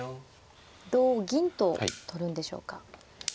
同銀と取るんでしょうか。